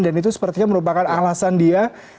dan itu sepertinya merupakan alasan dia